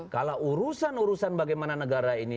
kalau urusan urusan bagaimana negara ini